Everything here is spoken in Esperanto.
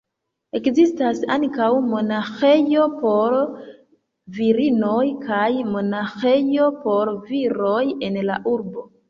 Ekzistas ankaŭ monaĥejo por virinoj kaj monaĥejo por viroj en la urbo.